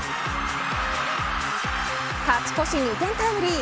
勝ち越し２点タイムリー。